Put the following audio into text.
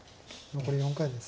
残り４回です。